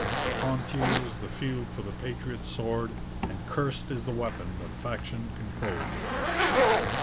The frontier's the field for the patriot's sword, And cursed is the weapon that faction controls!